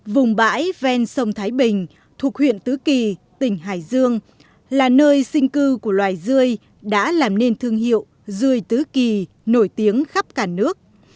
vùng bãi ven sông thái bình thuộc huyện tứ kỳ tỉnh hải dương là nơi sinh cư của loài dươi đã làm nên thương hiệu rươi tứ kỳ nổi tiếng khắp cả nước